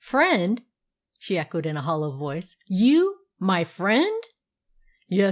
"Friend!" she echoed in a hollow voice. "You my friend!" "Yes.